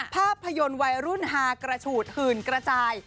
ภาพยนตร์วัยรุ่นฮากระฉูดหื่นกระจาย